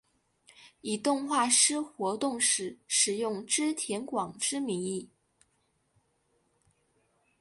以动画师活动时使用织田广之名义。